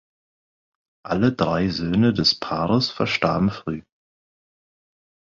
Alle drei Söhne des Paares verstarben früh.